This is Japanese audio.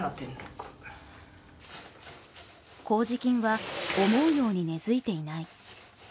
麹菌は思うように根づいていない。